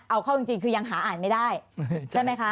เอาเข้าจริงคือยังหาอ่านไม่ได้ใช่ไหมคะ